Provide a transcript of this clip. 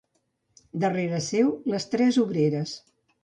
Darrere seu, les tres obreres.